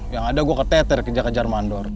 yang ada gue ke tether kejar kejar mandor